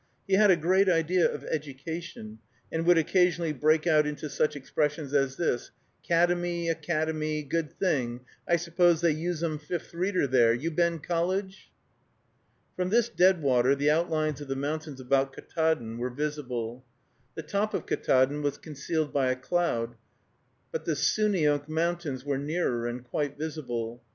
He had a great idea of education, and would occasionally break out into such expressions as this, "Kademy a cad e my good thing I suppose they usum Fifth Reader there.... You been college?" From this deadwater the outlines of the mountains about Ktaadn were visible. The top of Ktaadn was concealed by a cloud, but the Souneunk Mountains were nearer, and quite visible.